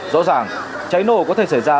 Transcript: rõ ràng cháy nổ có thể xảy ra